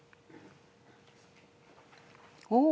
おお！